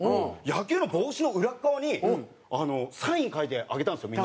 野球の帽子の裏側にサイン書いてあげたんですよ